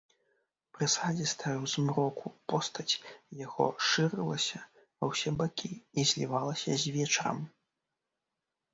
Прысадзістая ў змроку постаць яго шырылася ва ўсе бакі і злівалася з вечарам.